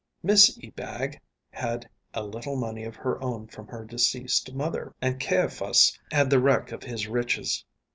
Miss Ebag had a little money of her own from her deceased mother, and Caiaphas had the wreck of his riches.